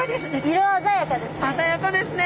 色鮮やかですね。